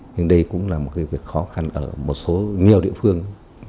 nhưng đây cũng là một cái việc khó khăn ở một số nhiều địa phương